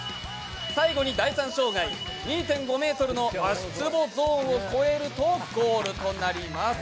最後に第３障害、２．５ｍの足つぼゾーンを越えるとゴールとなります。